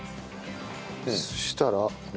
そしたら。